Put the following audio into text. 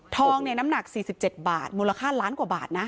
น้ำหนัก๔๗บาทมูลค่าล้านกว่าบาทนะ